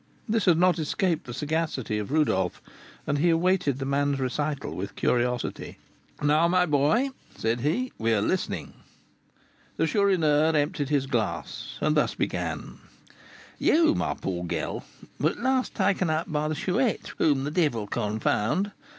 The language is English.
This had not escaped the sagacity of Rodolph, and he awaited the man's recital with curiosity. "Now, my boy," said he, "we are listening." The Chourineur emptied his glass, and thus began: "You, my poor girl, were at last taken to by the Chouette, whom the devil confound!